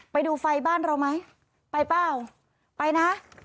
ไปดูไฟบ้านเราไหมไปเปล่าไปนะ